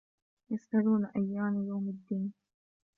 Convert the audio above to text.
يسألون أيان يوم الدين